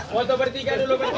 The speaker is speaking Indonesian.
foto bertiga dulu bertiga